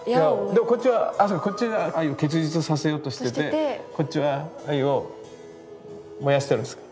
でもこっちはあっそうかこっちが愛を結実させようとしててこっちは愛を燃やしてるんですか。